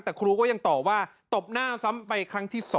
แต่ครูก็ยังตอบว่าตบหน้าซ้ำไปครั้งที่๒